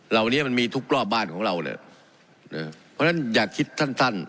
เหล่านี้มันมีทุกรอบบ้านของเราเนี่ยนะเพราะฉะนั้นอย่าคิดสั้นท่าน